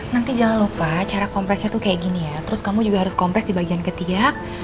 nanti jangan lupa cara kompresnya cakesnya terus kamu juga harus kompresi bagian ketiak